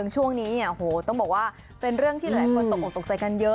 ช่วงนี้ต้องบอกว่าเป็นเรื่องที่หลายคนตกออกตกใจกันเยอะ